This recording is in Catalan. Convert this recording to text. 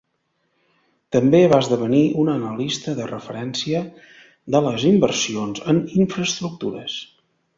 També va esdevenir un analista de referència de les inversions en infraestructures.